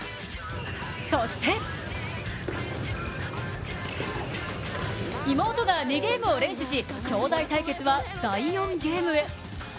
そして妹が２ゲームを連取し、きょうだい対決は第４ゲームへ。